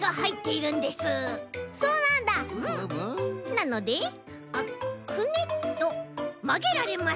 なのでくねっとまげられます。